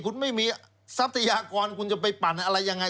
คุณไม่มีทรัพยากรคุณจะไปปั่นอะไรยังไง